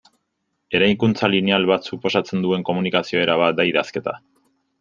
Eraikuntza lineal bat suposatzen duen komunikazio era bat da idazketa.